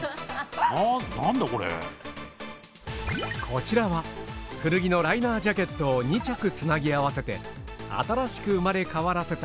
こちらは古着のライナージャケットを２着つなぎ合わせて新しく生まれ変わらせたロングコートです。